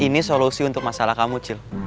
ini solusi untuk masalah kamu cil